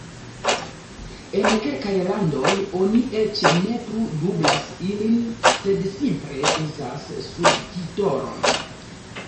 En kelkaj landoj oni eĉ ne plu dublas ilin, sed simple uzas subtitolojn.